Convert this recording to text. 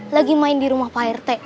lagi main di rumah pak rt